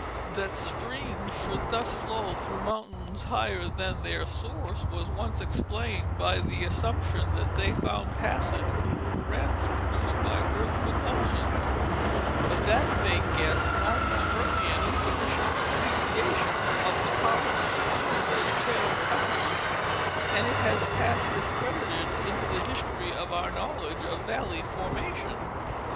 That streams should thus flow through mountains higher than their source was once explained by the assumption that they found passage through rents produced by earth convulsions ; but that vague guess marked the early and insufficient appreciation of the power of streams as channel cutters, and it has passed discredited into the history of our knowledge of valley formation.